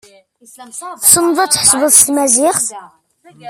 Tessned ad tḥesbed s tmaziɣt?